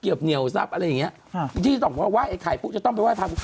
ดินที่เนื่องถึงว่าไอ่ไข่ต้องไปไหว้พัพ